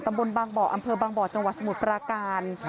บางบ่ออำเภอบางบ่อจังหวัดสมุทรปราการ